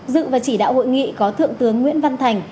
dự và chỉ đạo hội nghị có thượng tướng nguyễn văn thành